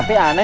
tapi aneh nih